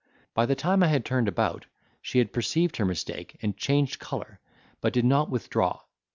By the time I had turned about, she had perceived her mistake, and changed colour, but did not withdraw.